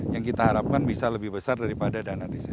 yang kita harapkan bisa lebih besar daripada dana desa